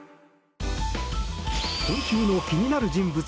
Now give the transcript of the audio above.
今週の気になる人物